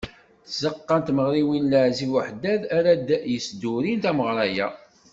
D tzeqqa n tmeɣriwin n Laɛzib Uheddad ara d-yesdurin tameɣra-a.